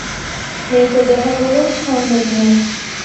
মৃতদেহগুলো সামলে নিও।